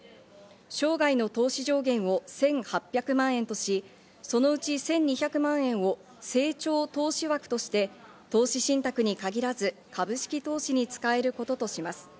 生涯の投資上限を１８００万円とし、そのうち１２００万円を成長投資枠として投資信託に限らず株式投資に使えることとします。